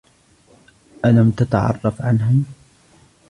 ألم تتعرف عنهم؟